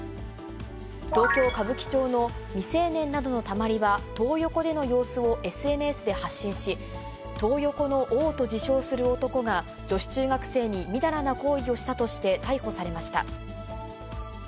東京・歌舞伎町の未成年などのたまり場、トー横での様子をＳＮＳで発信し、トー横の王と自称する男が女子中学生にみだらな行為をしたとして逮捕されました。